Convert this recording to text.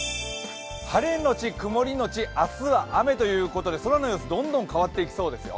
晴れのち曇りのち、明日は雨ということで空の様子、どんどん変わっていきそうですよ。